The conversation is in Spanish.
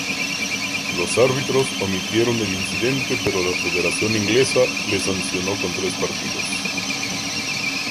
Los árbitros omitieron el incidente pero la Federación Inglesa le sancionó con tres partidos.